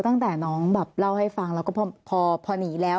ตั้งแต่น้องแบบเล่าให้ฟังแล้วก็พอหนีแล้ว